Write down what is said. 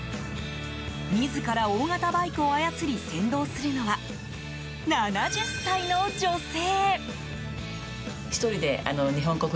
自ら大型バイクを操り先導するのは、７０歳の女性。